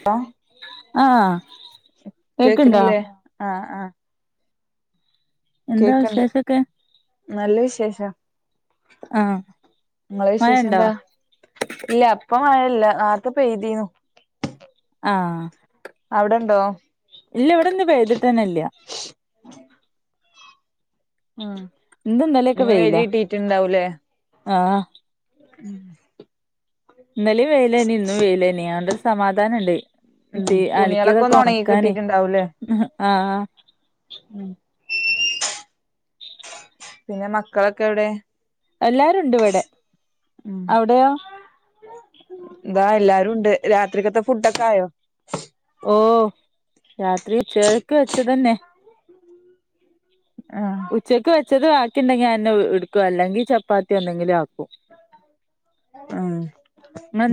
[unintelligible] ആഹ് കേക്ക്ണ്ടോ കേക്കണ്ല്ലേ ആഹ് ആഹ് എന്താ കേക്കൺണ്ട് വിശേഷൊക്കെ നല്ല വിശേശം ആഹ് ങ്ങളെ മഴണ്ടോ വിശേഷെന്താ ഇല്ലപ്പം മഴ്ല്ല നേർത്തെ പെയ്തിനു ആഹ് അവ്ട്ണ്ടോ ഇല്ലവ്ട്ന്ന് പെയ്തിട്ട്ന്ന്ല്യാ ഉം ഇന്നും ഇന്നലെയൊക്കെ ഇന്ന് വെയിലാ വെയ്ല്ട്ടീട്ട്ണ്ടാവൂല്ലേ ആഹ് ഉം ഇന്നലെ വെയിലേനി ഇന്നും വെയിലേനി ആണ്ടരു സമാധാനണ്ട്. ഉം ത്തെ തുണികളൊക്കെ അലക്കിതൊക്കെ ഒന്ന് ഉണങ്ങി ഒണക്കാനെ കിട്ടിട്ടുണ്ടാവൂലേ ആഹ് ഉം പിന്നെ മക്കളക്കെ എവടെ? എല്ലാരും ണ്ട് ഇവടെ അഒടയോ? ന്താ എല്ലാരും ണ്ട് രാത്രിക്കത്തെ ഫുഡക്കെ ആയോ? ഓഹ് രാത്രി ച്ചേ ഉച്ച കക്ക് വെച്ചത് തന്നെ. ആഹ് ഉച്ചക്ക് വെച്ചത് ബാക്കി ണ്ടെങ്കി അഹന്നെ ട്ക്കും അല്ലെങ്കിൽ ചപ്പാത്തി എന്തങ്കിലും ആക്കും. ഉം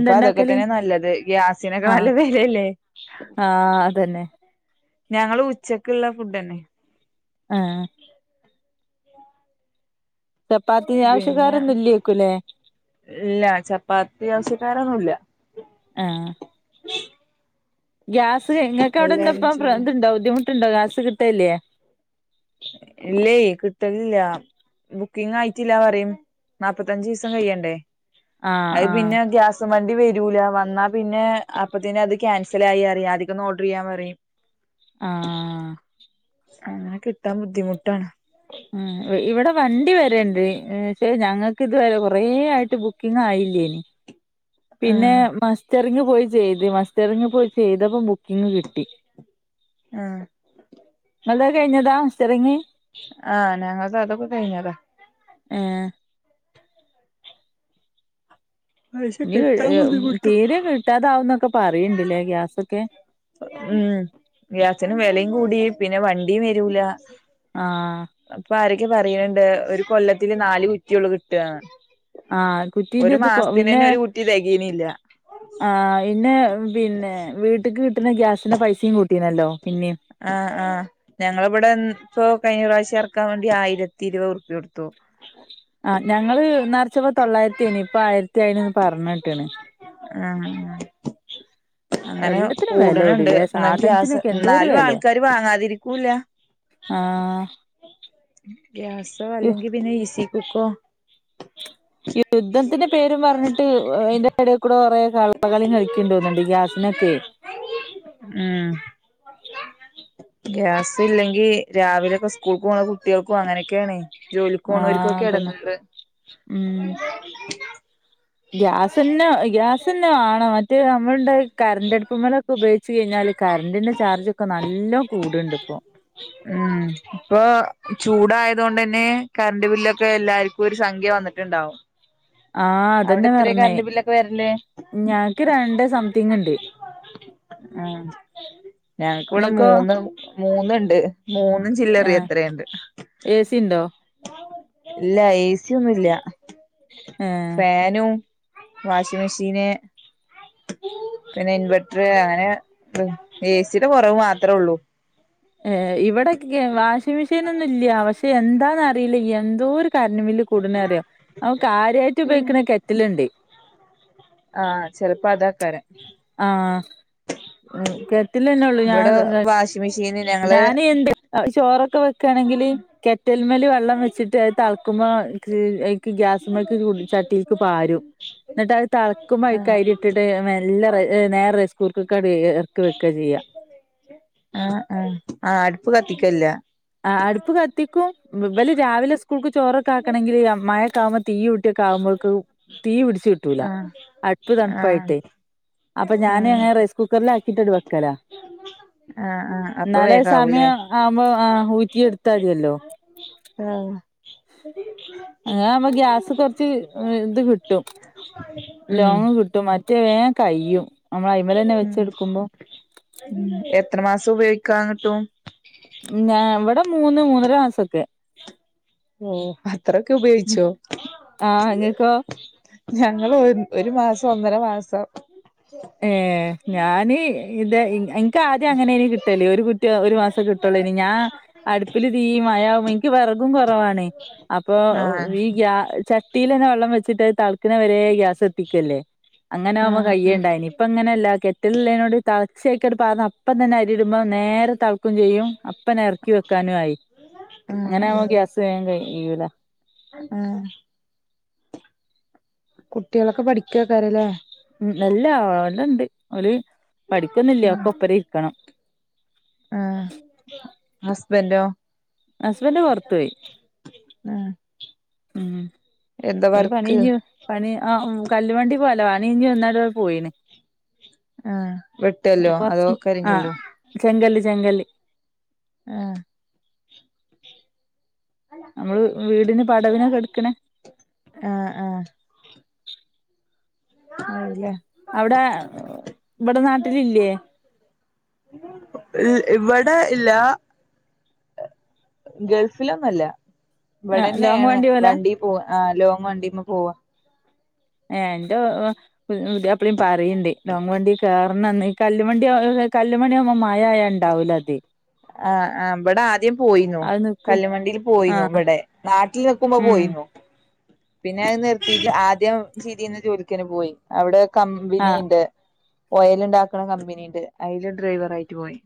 ഇപ്പ അതൊക്കെ ഇണ്ടാക്കല് തന്നെ നല്ലത് ഗ്യാസിനൊക്കെ ആഹ് നല്ല വെലല്ലേ. ആഹ് അതന്നെ ഞങ്ങളും ഉച്ചക്ക്ള്ള ഫുഡന്നെ. ആഹ് ചപ്പാത്തി പിന്നെ ആവശ്യക്കാരൊന്നും ഇല്ലേക്കുലേ ഇല്ല ചപ്പാത്തി ആവശ്യക്കാരൊന്നുല്ല. ആഹ് ഗ്യാസ് നിങ്ങൾക്ക് എല്ലാരും അഒടെന്താപ്പം ചോര ത്ണ്ടോ ബുദ്ധിമുട്ട്ണ്ടോ ഗ്യാസ് കിട്ടേല്ലേ? ഇല്ലേ കിട്ടലില്ല. ബുക്കിംങ്‌ ആയിട്ടില്ലാന്ന് പറിം നാല്പത്തഞ്ച് സം കഴിയണ്ടേ ആഹ് അഹ് ആഹ് പിന്നെ ഗ്യാസ് വണ്ടി വരൂല വന്നാ പിന്നെ അപ്പ തന്നെ അത് ക്യാൻസലായി അറിം. ആദ്യക്കന്ന് ഓർഡർ യ്യാൻ പറിം. ആഹ് അങ്ങനെ കിട്ടാൻ ബുദ്ധിമുട്ടാണ്. ഹേ ഇവ് ഇവടെ വണ്ടി വരേണ്ട് ഞങ്ങൾക്ക് ഇത് വരെ കൊറെ ആയിട്ട് ബുക്കിംങ്‌ ആയില്ലേനി. പിന്നെ ആഹ് മസ്റ്ററിങ്ങ് പോയി ചെയ്ത് മസ്റ്ററിങ്ങ് പോയി ചെയ്തപ്പോ ബുക്കിങ് കി ട്ടി ആഹ് ഇങ്ങൾതെ കഴിഞ്ഞതാ മസ്റ്ററിങ്ങ്. ആഹ് ഞങ്ങൾതെ അതൊക്കെ കഴിഞ്ഞതാ. ഏഹ് പക്ഷെ ഇനി കിട്ടാൻ ബുദ്ധിമുട്ടാ തീരെ കിട്ടാതാവന്നൊക്കെ പറയണ്ടില്ലേ ഗ്യാസൊക്കെ. ഉം ഗ്യാസിന് വെലേം കൂടി പിന്നെ വണ്ടിം വരൂല. ആഹ് അപ്പ ആരൊക്കെ പറയ്ണ്ട് ഒരു കൊല്ലത്തില് നാല് കുറ്റിളളു കിട്ടാ. ആഹ് ഒരു കുറ്റിന്റെത് മാസ്ത്തിന് പിന്നെ തന്നെ ഒരു കുറ്റി തെകിണില്ല. ആഹ് ഇന്നെ പിന്നെ വീട്ട്ക്ക് കിട്ട്ന്ന ഗ്യാസിന്റെ പൈസിം കൂട്ടീനല്ലോ പിന്നിം. ആഹ് ആഹ് ഞങ്ങള് ഇവടെ ൻ ഇപ്പൊ കഴിഞ്ഞ പ്രാവശ്യം എർക്കാൻ വേണ്ടി ആയിരത്തി ഇരുപത് ഉർപ്യ കൊട്ത്തു. ആഹ് ഞങ്ങള് ന്നർച്ചപ്പോ തൊള്ളായിരത്തി നി ഇപ്പ ആയിരത്തി ആയിന് ന്ന് പർഞ്ഞേട്ട്ണ്. ആഹ് അങ്ങനെ എല്ലത്തിനും വെല കൂട്ണ് ണ്ട് കൂടിലേ ന്ന് ഗ്യാസ് സാധനത്തിനൊക്കെ ഉം എന്തോരു ന്നാലും വെലേ ആൾക്കാര് വാങ്ങാതിരിക്കൂല. ആഹ് ഗ്യാസോ യു അല്ലെങ്കി പിന്നെ ഇ സി കുക്കോ യുദ്ധത്തിന്റെ പേരും പർഞ്ഞിട്ട് അയിന്റെ എടേ കൂടെ കൊറെ കള കളിം കളിക്ക്ണ്ടോന്ന്ണ്ട് ഗ്യാസിനൊക്കെ ഉം ഗ്യാസ് ഇല്ലെങ്കി രാവിലെ ഒക്കെ സ്കൂൾക്ക് പോണ കുട്ട്യൾക്കും അങ്ങനെക്കെയാണ്. ആഹ് അതന്നെ ഉം ഗ്യാസന്നെ ഗ്യാസന്നെ വാണം മറ്റേ നമ്മള ണ്ട് കർണ്ട് അട്പ്പ്മലൊക്കെ ഉപയോഗിച്ച് കഴിഞ്ഞാല് കർണ്ടിന്റെ ചാർജ് ഒക്കെ നല്ല കൂട്ണ്ട് ഇപ്പോ. ഉം ഇപ്പൊ ചൂടായതോണ്ടന്നെ കർണ്ട് ബില്ലൊക്കെ എല്ലാർ ഒരു സംഖ്യ വന്ന്ട്ട് ണ്ടാവും. ആഹ് അതന്നെ പർഞ്ഞേ ബില്ലൊക്കെ വരല് ഞങ്ങക്ക് രണ്ടേ സംതിങ് ഉണ്ട്. ഹേ ഞങ്ങക്ക് വ്ടെ ഇങ്ങക്കോ മൂന്ന് മൂന്ന്ണ്ട് മൂന്നും ചില്ലറിം എത്രേണ്ട്. എസി ഉണ്ടോ ഇല്ല എസി ഒന്നും ഇല്ല ഏഹ് ഫാനും വാഷിംഗ മെഷീന് പിന്നെ ഇൻവെർട്ടർ അങ്ങനെ എ സിയുടെ കുറവ് മാത്രേ ഉള്ളൂ ഏ ഇവിടെ വാഷിംഗ മെഷീൻൊന്നും ഇല്ല പക്ഷെ എന്താന്നറിയില്ല എന്തോ ഒരു കറണ്ട് ബില്ല് കൂടുന്ന അറിയോ അവക്ക് കാര്യായിട്ട് ഉപയോഗിക്കണ കെറ്റിലുണ്ട് ആഹ ചല്പ്പ അതാ കാര ആഹ കെറ്റല് ഉള്ളൂ ഞാൻ ഇവിടെ വാഷിംഗ് മെഷീൻ ഞാാന് എന്ത് ചോറൊക്കെ വെക്കയാണെങ്കില് കെറ്റൽമേൽ വെള്ളം വെച്ചിട്ട് അത് തളക്കുമ്പോക്ക് ഗ്യാസക്ക് ചട്ടിക്ക് പാരും എന്നിട്ട് അത് തളക്കുമ്പോ ആഹ് അരി ഇട്ടിട്ട് മെല്ലെ നേരെ റെസ്കൂർക്കൊക്ക ഇറക്കി വെക്കുക ചെയ്യാം ആ ആ അടുപ്പ് കത്തിക്കൽ ഇല്ല ആ അടുപ്പ് കത്തിക്കും ഇവലെ രാവിലെ സ്കൂൾക്ക് ചോറൊക്കെ ആകണമെങ്കിൽ മഴക്കാമ തീ ഇട്ടിയൊക്കെ ആകുമ്പോഴക്ക് തീ പിടിച്ച് കിട്ടൂല ആഹ് അടുപ്പ് ആഹ് തണുപ്പായിട്ടേ അപ്പൊ ഞാൻ ആഹ് അങ്ങനെറൈസ് കുക്കറൽ ആാക്കിയിട്ട്ടു വെക്കലാ ആഹ് ആഹ് അപ്പൊ എന്നാലെ വേഗാവൂലേ സമയം ആവുമ്പോ ആഹ ഊറ്റിയ എടുത്താതില്ലോ ആഹ് അങ്ങനെ ആവുമ്പോ ഗ്യാസ് കുറച്ച് ഇത് കിട്ടും ഉം ലോങ്ങ് കിട്ടും മറ്റേ വേ കയ്യും നമ്മൾ അയി്മല തന്നെ ഉം വെച്ചെടുക്കുമ്പോ എത്ര മാസം ഉപയോഗിക്കാങ്ങിട്ടും ഞാ ഇവിടെ മൂന്ന് മൂന്നര മാസൊക്കെ ഓ അത്രൊക്കെ ഉപയോഗിച്ചോ ആഹ് ഇങ്ങക്കോ ഞങ്ങൾ ഒരു മാസം ഒന്നര മാസം ഏ ഞാന് ഇത എനിക്ക് ആദ്യം അങ്ങനെന് കിട്ടലേ ഒരു കു ഒരു മാസം കിട്ടുള്ളൂ ഇനി ഞാൻ അടുപ്പില് തീ മഴയാവും എനിക്ക് വിറകും കുറവാണ് അപ്പൊ ആഹ് ഈ [unintelligible] [inaudible] വെള്ളം വെച്ചിട്ട തളക് വരെ ഗ്യാസ് എത്തിക്കല്ലേ അങ്ങനെ [unintelligible] ആഹ് കയ്യണ്ടായി ആഹ് ഇപ്പ ഇങ്ങനെയല്ല ഗെറ്റലുള്ളതിനോട് തളച്ചേക്ക പറഞ്ഞ അപ്പ തന്നെ അരിയിടുമ്പോ നേരെ തളക്കും ചെയ്യും അപ്പോ ഇറക്കി വെക്കാനും ആയി അങ്ങനെ ആഹ് ആവുമ്പോ ഗ്യാസ് കഴിയില്ല [unintelligible] കുട്ടികളൊക്കെ പഠിക്കക്കാര അല്ലേ [unintelligible] അവരെ പഠിക്കുന്നില്ല ഒക്കെ ഒപ്പര ഇരിക്കണം ആ ഹസ്ബൻറോ ഹസ്ബൻഡറ് പുറത്തു പോയി ആഹ് ഉ എന്താ ഒരു വർക്ക് പണിഞ്ഞു പണി ആ കല്ലുവണ്ടി പോവല്ലോ പണി ഇഞ്ഞഞ് ഒന്നാര പോയിന് ആ വെട്ടല്ലോ അതോ കൊറച്ച് ആ കരിങ്ങല്ലോ ചെങ്കല്ല് ആഹ നമ്മള് വീടിന് പടവിനൊക്കെ എടുക്കണേ ആ ആഹ അതെ [unintelligible] അവിടെ ഇവിടെ നാട്ടിലില്ലയേ ഇവിടെ ഇല്ല ഗൾഫിലൊന്നല്ല ആ ലോങ് ഇവിടെന്നെയാണ് പോല വണ്ടി പോ ആ് ലോങ്ങ് വണ്ടിക്ക് പോകും [unintelligible] [inaudible] പറയണ്ട ലോങ്ങ് വണ്ടിയിൽ കേറന്ന് കല്ല്ുവണ്ടി കല്ലുവണ്ടി ആവുമ്പോൾ മഴ ഉണ്ടാവൂല്ല അതെയ് ആ ആ ഇവിടെ ആദ്യം പോയിന്നു അത് നിക്കും കല്ലുവണ്ടിയിൽ ആ പോയിന്നു ഇവിടെ നാട്ടിൽ നിക്കുമ്പോ ഉം പോയിന്നു പിന്നെ അത് നിർത്തിയിട്ട് ആദ്യം ചെയ്തിന്ന് ജോലിക്കന്നെ പോയി അവിടെ ആ കമ്പനി ഇണ്ട് ഓയല് ഉണ്ടാക്കണ കമ്പനി ഇണ്ട് അതില് ഡ്രൈവർ ആയിട്ട് പോയി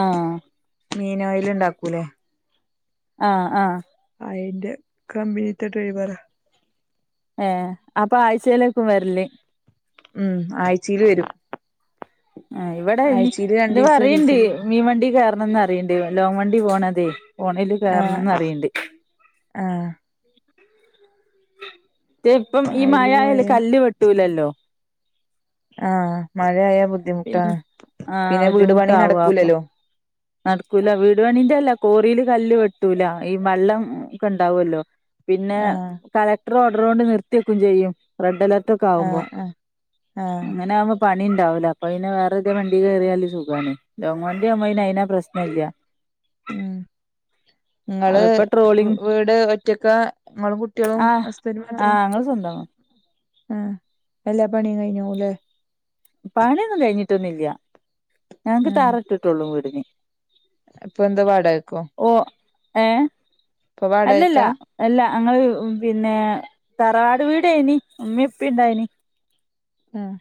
ആഹ് മീനോയല് ഉണ്ടാക്കൂല്ലേ ആഹ് ആഹ് അയിന്റെ കമ്പിനിത്തെ ഡ്രൈവറാ ഏഹ് അപ്പൊ ആഴ്ചയിലേക്കും വരല്ല് ഉം ആഴ്ച്ചയില് വരും ആ ഇവിടെ ഇ ആഴ്ചയില് ഇത് രണ്ടീസം പറയ്ണ്ട് ഒരീസം ലീവ് മീൻ വണ്ടി കായറണം എന്ന് പറിയണ്ട് ലോങ് വണ്ടി പോണത് പോണൽ കായ റണം ആഹ് ന്ന് പറിയിണ്ട് ആഹ് മറ്റേ ഇപ്പം ഈ മഴ അയില് ആയാല് പോയാ കല്ല് വെട്ടൂലല്ലോ ആഹ് മഴ ആയാല് പിന്നെ ബുദ്ധിമുട്ടാണ് ആ പിന്നെ വീട് പണി ബുദ്ധിമുട്ടാവും അപ്പൊ നടക്കൂലല്ലോ നടക്കൂല വീട് പണിന്റെ അല്ല കോറിൽ കല്ല് വെട്ടൂല ഈ വെള്ളം ഒക്കെ ഉണ്ടാവല്ലോ പിന്നെ ആഹ് കളക്ടർ ഓർഡർ കൊണ്ട് നിർത്തിയെക്കും ചെയ്യും റെഡ് അലേർട്ട ഒക്കെ ആകുമ്പോ ആഹ് ആഹ് അങ്ങനെ ആകുമ്പോൾ പണി ഉണ്ടാവൂല അപ്പം അയ്ന്ന് വേറെ എതേ വണ്ടി ആഹ് കയറിയാല് സുഖാണ് ലോങ്ങ് വണ്ടി ആണേല് അയിന് പ്രശ്നം ഇല്ല ഉം [inaudible] ഇങ്ങള് ഇപ്പൊ ട്രോളിങ് വീട് ഒറ്റക്കാ ഇങ്ങളും കുട്ടികളും ഹസ്ബൻഡ് മാത്രം ആഹ് ഞങ്ങള് സ്വന്തം ആഹ് എല്ലാ പണിയും കഴിഞ്ഞോല്ലേ പണിയൊന്നും കഴിഞ്ഞിട്ടൊന്നും ഇല്ല ഞങ്ങക്ക് ആഹ് തറ ഇട്ടിട്ടെള്ളൂ വീടിന് ഇപ്പൊ എന്താ വാടകക്കോ? ഓഹ് ഏഹ് ഇപ്പൊ അല്ലല്ല. വാടകക്കാ അല്ല ഞങ്ങള് പിന്നെ തറവാട് വീടെയിന് ഉമ്മിം ഉപ്പിം ഇണ്ടായിന്. ഉം.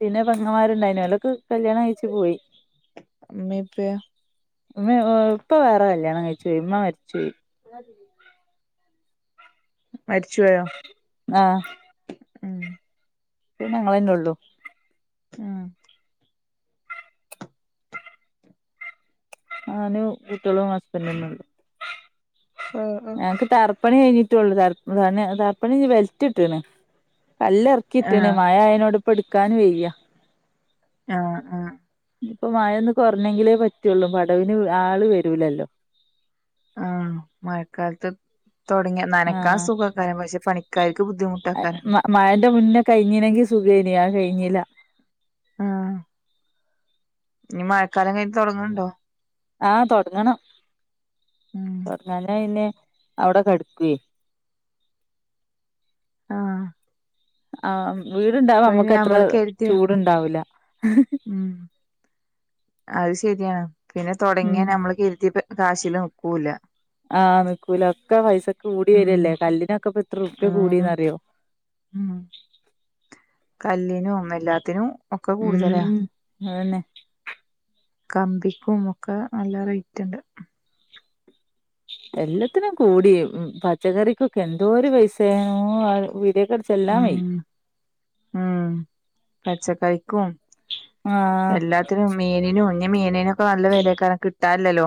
പിന്നെ പെങ്ങമാര് ഉണ്ടായ്നി ഒലൊക്കെ കല്യാണം കയ്ച്ചു പോയി. ഇമ്മീ ഇപ്പയോ? ഉമ്മ ഇപ്പ വേറെ കല്യാണം കഴിച്ച് പോയി ഇമ്മ മരിച്ചു പോയി. [unintelligible] മരിച്ച് പോയോ? ആഹ്. ഉം ഇപ്പം പിന്നെ ഞങ്ങള്ന്നെ ഒള്ളൂ. ആഹ്. ഞാനും കുട്ടേളും ഹസ്ബൻഡ് തന്നെ ഒള്ളൂ ആഹ്. ഞങ്ങക്ക് തറപ്പണി കഴിഞ്ഞിട്ടുള്ളൂ തറ തന്നെ തറപ്പണി കഴിഞ് ബെൽറ്റ് ഇട്ട്ണ് കല്ല് എറക്കി ഇട്ട്ണ് ആഹ് മയ ആയ്നോട് ഇപ്പം ഇട്ക്കാനും വെയ്യ. ആഹ് ആഹ്. ഇനിപ്പൊ മയൊന്ന് കൊറഞ്ഞെങ്കിലേ പറ്റൊള്ളൂ പടവിന് ആള് വരൂലല്ലോ. ആഹ് മയക്കാലത്ത്. തൊടങ്ങിയ നനക്കാൻ ആഹ് സുഖക്കാരം പക്ഷെ പണിക്കാര്ക്ക് ബുദ്ധിമുട്ട് ഏയ്ക്കാരം മയന്റെ മുന്നേ കഴഞ്ഞിന്നെങ്കി സുഖയ്നി അയ് കഴിഞ്ഞില. ആഹ്. ഇനി മയക്കാലം കയിഞ്ട്ട് തൊടങ്ണ് ഇണ്ടോ? ആഹ് തൊടങ്ങണം ഉം തൊടങ്ങഞ്ഞാ പിന്നെ അവടെ കെട്ക്കയും ആഹ്. ആഹ് വീടുണ്ടാവ ഇപ്പയ്ന് അമ്മക്കത്ര ഞമ്മള് ചൂടുണ്ടാവില്ല. അയ് ശരിയാണ് പിന്നെ ഉം തൊടങ്ങിയാ നമ്മള് കെരുതേപ്പ കാശീല് നിക്കൂല. ആഹ് നിക്കൂല ഒക്കെ പൈസ കൂടി ഉം വരല്ലേ കല്ലിനൊക്കെ ഇപ്പ എത്രറപ്യ ഉം കൂടന്ന്റിയോ? ഉം. കല്ലിനും എല്ലാത്തിനും. ഒക്കെ കൂടുതലാ ഉം അതന്നെ. കമ്പിക്കും ഒക്കെ നല്ല റേറ്റ് ഇണ്ട്. എല്ലത്തിനും കൂടി പച്ചക്കറിക്കൊക്കെ എന്തോരു പൈസ് പീഡിയക്കചെല്ലാം വയി ഉം പച്ചക്കറിക്കും ആഹ് എല്ലാ മീനിനും ഇഞ് മീനിനോക്കെ നല്ലെ വെലക്കാരം കിട്ടാല്ലല്ലോ.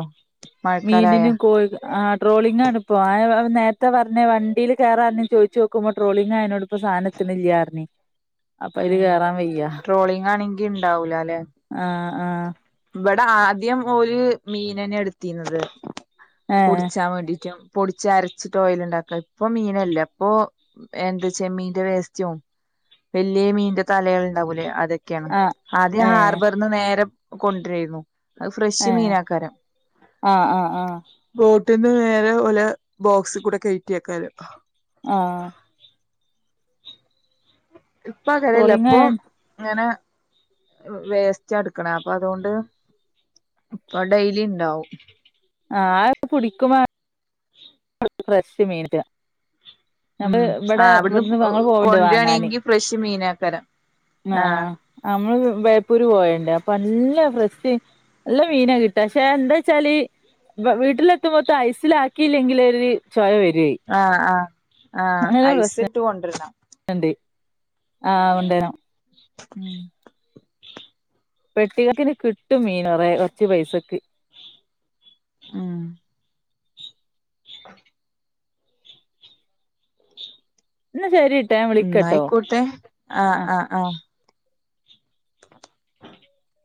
മീനിനും കോയിക് ആ ട്രോളിങ് ആണ്പ്പോ ആഹ് നേരത്തെ പറഞ്ഞ വണ്ടല് കേറിഞ ചോയിചോക്കുമ്പോ ട്രോളിങ്ങായതോണ്ട്പ്പോ- കിട്ടുന്നില്ലറഞ്. ആഹ് ട്രോളിംങ്ങാണെങ്കി ഇ ണ്ടാവൂലലെ. ആഹ്. ഇവടെ ആദ്യം ഒരു മീനന്നെ എടുത്തിന്നത് ഏഹ് പുടിച്ചാൻ വേണ്ടിട്ടും. പൊടിച്ച് അരച്ചിട്ട് ഓയിൽ ഇ ണ്ടാക്കാ ഇപ്പൊ മീനല്ല ഇപ്പൊ. എന്ത്‌ ചമ്മീന്റെ വേസ്റ്റവും വലിയ മീന്റെ തലകൾ ഉണ്ടാവൂലേ അതൊക്ക ആഹ് ആദ്യം ഏഹ് ഹാർബറിന്ന് നേരെ കൊണ്ട്രരുന്നു. അയ് ഫ്രഷ് ഏഹ് മീനക്കാരം. ആഹ് ആഹ് ആഹ് ബോട്ടിന്ന് നേരെ ഓല ബോക്സി കൂടെ കയറ്റിയക്കാരം. ആഹ്. ഇപ്പ കരല്ല ഇപ്പൊ ട്രോളിങ്ങായ ഇങ്ങനെ വേസ്റ്റ ഇടുക്കണ അപ്പൊ അതോണ്ട്. ഇപ്പൊ ഡെയിലി ഉണ്ടാവും ആഹഇപ്പോകുടിക്കുമ- ഫ്രഷ് മേടിച്ച- ഞള് ഉം ആ ഇവിടെ അവിടുന്ന് ഇവിടുന്ന് തങ്ങ പോയിണ്ട് വാങ്ങാന് കൊണ്ടുവരാണെങ്കി ഫ്രഷ് മീനാക്കാരം ആഹ് ആഹ- നമ്മള് ബേപ്പൂര് പോയണ്ട് അപ്പൊ നല്ല ഫ്രഷ് - നല്ല മീന കിട്ട പക്ഷെ എന്താ വെച്ചാല് വീട്ടിലെത്തുമ്പോത്തെ ഐസില ആാക്കിയില്ലെങ്കില്- ത്തിരി ചോയ വരുവേ- ആഹ് ഐസ് ഇട്ട് കൊണ്ടരണം ണ്ട് ആ് ഉണ്ടേന [unintelligible] ഉം പെട്ടികണക്കിക്കന് കിട്ടും മീൻ കുറെ കുറച്ച പൈസക്ക്. ഉം ഉ [unintelligible] എന്ന ശരി ന്നായിക്കോട്ടെ ആഹ് ആഹ് ആഹ് [unintelligible]